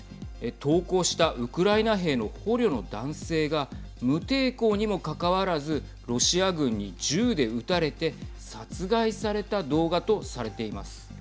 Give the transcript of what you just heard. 投降したウクライナ兵の捕虜の男性が無抵抗にもかかわらずロシア軍に銃で撃たれて殺害された動画とされています。